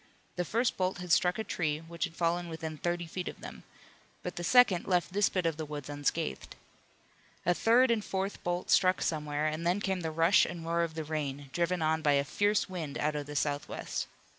The first bolt had struck a tree which had fallen within thirty feet of them, but the second left this bit of the woods unscathed. A third and a fourth bolt struck somewhere, and then came the rush and roar of the rain, driven on by a fierce wind out of the southwest.